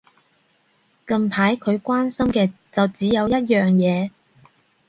近排佢關心嘅就只有一樣嘢